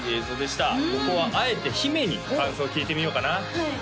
ここはあえて姫に感想聞いてみようかなはい